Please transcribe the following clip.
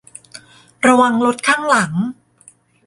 ระวังรถข้างหลัง !